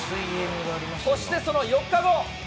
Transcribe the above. そしてその４日後。